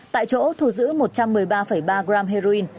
tại chỗ thu giữ một trăm một mươi ba ba gram heroin